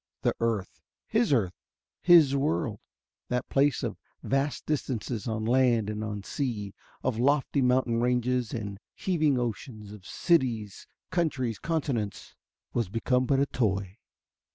The earth his earth his world that place of vast distances on land and on sea, of lofty mountain ranges and heaving oceans, of cities, countries, continents was become but a toy.